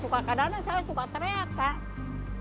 kadang kadang saya suka teriak kak